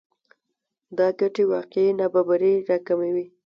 دا ګټې واقعي نابرابری راکموي